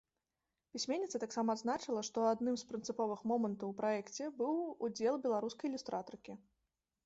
Пісьменніца таксама адзначыла, што адным з прынцыповых момантаў у праекце быў удзел беларускай ілюстратаркі.